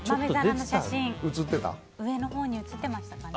豆皿の写真上のほうに映ってましたかね。